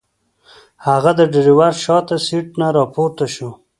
هغه د ډرایور شاته سیټ نه راپورته شو.